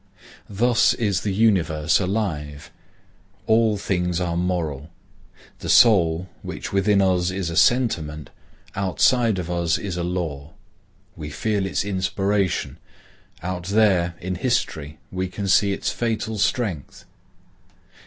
Thus is the universe alive. All things are moral. That soul which within us is a sentiment, outside of us is a law. We feel its inspiration; out there in history we can see its fatal strength.